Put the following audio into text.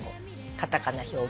カタカナ表記。